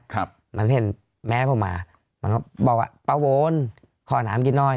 ครับมันเห็นแม่ผมมามันก็บอกว่าป้าวนขอน้ำกินหน่อย